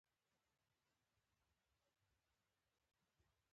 ژبه د ملتونو هویت دی